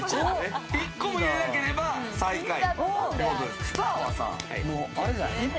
１個も入れなければ最下位。